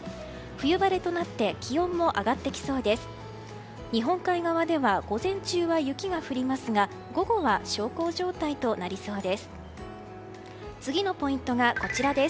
冬晴れとなって気温も上がってきそうです。